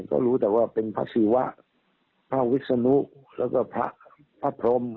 ก็รู้แต่ว่าเป็นพระศิวะพระวิศนุแล้วก็พระพรม